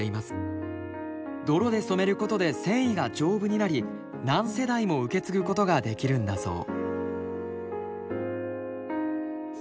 泥で染めることで繊維が丈夫になり何世代も受け継ぐことができるんだそう。